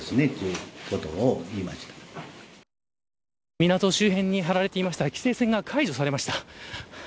港周辺に張られていた規制線が解除されました。